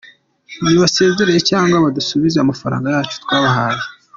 Nibasezere cyangwa badusubize amafaranga yacu twabahaye.